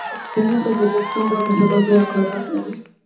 Kanisa zilifungwa kwa sababu ya Corona.